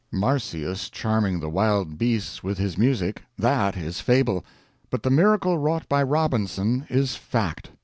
Marsyas charming the wild beasts with his music that is fable; but the miracle wrought by Robinson is fact.